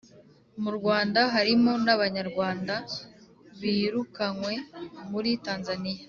mu rwanda, harimo n’abanyarwanda birukanywe muri tanzaniya